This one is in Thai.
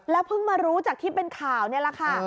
เพิ่งมารู้จากที่เป็นข่าวนี่แหละค่ะ